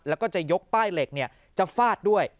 แล้วก็จะยกป้ายเหล็กจะฟาดด้วย